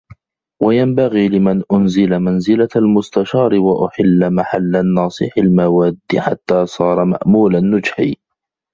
وَيَنْبَغِي لِمَنْ أُنْزِلَ مَنْزِلَةَ الْمُسْتَشَارِ وَأُحِلَّ مَحَلَّ النَّاصِحِ الْمَوَادِّ حَتَّى صَارَ مَأْمُولَ النُّجْحِ